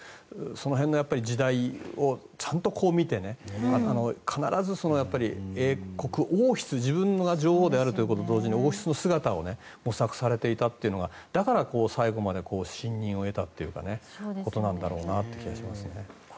その辺の時代をちゃんと見て必ず英国王室自分が女王であるということと同時に王室の姿を模索されていたというのがだから最後まで信任を得たということなんだろうという気がします。